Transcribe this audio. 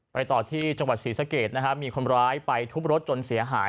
ไปต่อที่จังหวัดศรีสะเกดนะครับมีคนร้ายไปทุบรถจนเสียหาย